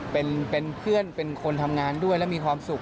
เป็นเพื่อนเป็นคนทำงานด้วยและมีความสุข